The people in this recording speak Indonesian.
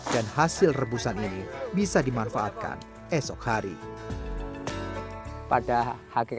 dan hasil rebusan ini menarik